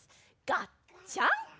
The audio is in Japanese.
ガッチャン！